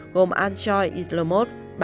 gồm anshoy islomot